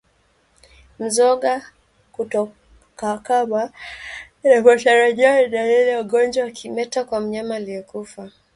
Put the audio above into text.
Mzoga kutokakamaa inavyotarajiwa ni dalili ya ugonjwa wa kimeta kwa mnyama aliyekufa